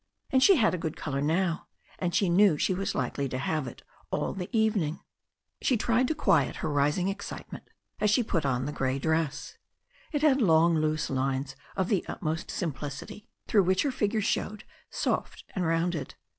And she had a good colour now, and she knew she was likely to have it all the evening. She tried to quiet her rising excitement as she put on the 140 THE STORY OF A NEW ZEALAND RIVER 141 grey dress. It had long loose lines of the utmost simplicity, through which her figure showed soft and rounded.